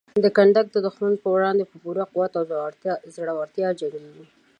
کنډک د دښمن په وړاندې په پوره قوت او زړورتیا جنګیږي.